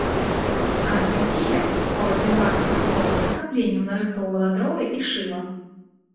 Анастасія, паводле ўласных слоў, з захапленнем нарыхтоўвала дровы і шыла.